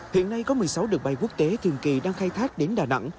hiện nay có một mươi sáu đường bay quốc tế thường kỳ đang khai thác đến đà nẵng